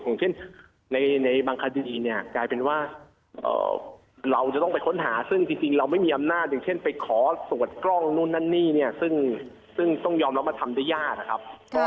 อย่างเช่นในบางคดีเนี่ยกลายเป็นว่าเราจะต้องไปค้นหาซึ่งจริงเราไม่มีอำนาจอย่างเช่นไปขอตรวจกล้องนู่นนั่นนี่เนี่ยซึ่งต้องยอมรับว่าทำได้ยากนะครับ